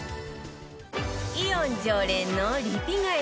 イオン常連のリピ買い